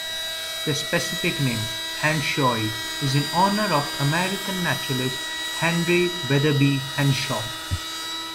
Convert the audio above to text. The specific name, "henshawi", is in honor of American naturalist Henry Wetherbee Henshaw.